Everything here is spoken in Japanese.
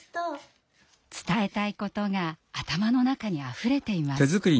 伝えたいことが頭の中にあふれています。